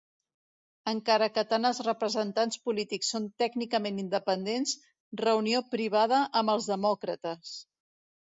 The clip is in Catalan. Encara que tant els representants polítics són tècnicament independents, reunió privada amb els demòcrates.